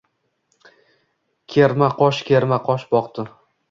Kerma qosh-kerma qosh boqdi.